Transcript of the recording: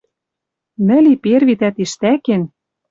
Нӹл и перви тӓ тиштӓкен